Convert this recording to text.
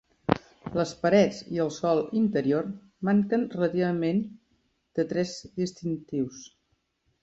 Les parets i el sòl interior manquen relativament de trets distintius.